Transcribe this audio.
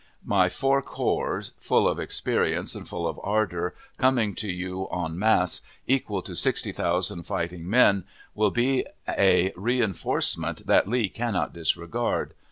My four corps, full of experience and full of ardor, coming to you en masse, equal to sixty thousand fighting men, will be a reenforcement that Lee cannot disregard.